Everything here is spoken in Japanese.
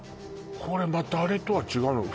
これまたあれとは違うの？